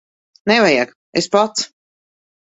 Nevajag. Es pats.